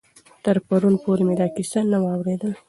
تر پرون پورې مې دا کیسه نه وه اورېدلې.